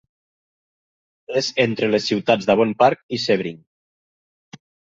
És entre les ciutats d'Avon Park i Sebring.